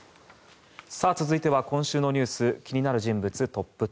続いては今週のニュース気になる人物トップ１０。